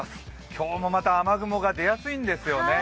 今日もまた雨雲が出やすいんですよね。